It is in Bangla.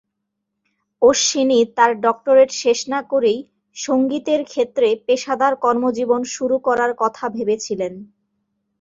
অশ্বিনী তাঁর ডক্টরেট শেষ না করেই সংগীতের ক্ষেত্রে পেশাদার কর্মজীবন শুরু করার কথা ভেবেছিলেন।